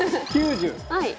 はい。